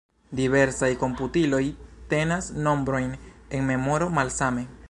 Diversaj komputiloj tenas nombrojn en memoro malsame.